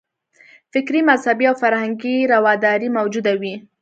فکري، مذهبي او فرهنګي رواداري موجوده وي.